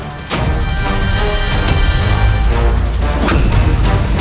aku akan mengunggurkan ibumu sendiri